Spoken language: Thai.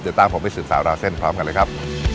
เดี๋ยวตามผมไปสืบสาวราวเส้นพร้อมกันเลยครับ